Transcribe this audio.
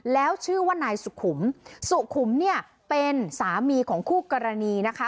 แล้วชื่อว่านายสุขุมสุขุมเนี่ยเป็นสามีของคู่กรณีนะคะ